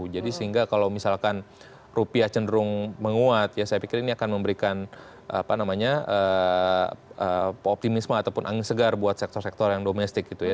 jadi sehingga kalau misalkan rupiah cenderung menguat ya saya pikir ini akan memberikan apa namanya optimisme ataupun angin segar buat sektor sektor yang domestik gitu ya